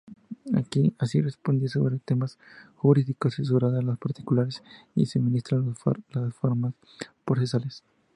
Así respondía sobre temas jurídicos, asesoraba a los particulares y suministraba las formas procesales.